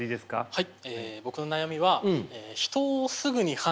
はい。